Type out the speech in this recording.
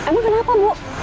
emang kenapa bu